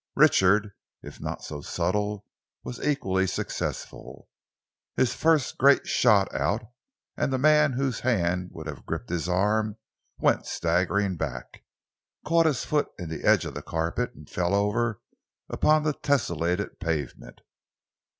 Richard, if not so subtle, was equally successful. His great fist shot out, and the man whose hand would have gripped his arm went staggering back, caught his foot in the edge of the carpet, and fell over upon the tesselated pavement.